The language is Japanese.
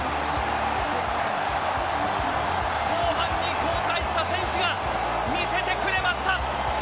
後半に交代した選手が見せてくれました！